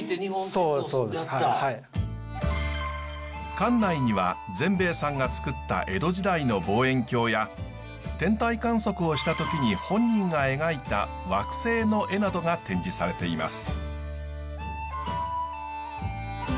館内には善兵衛さんが作った江戸時代の望遠鏡や天体観測をした時に本人が描いた惑星の絵などが展示されています。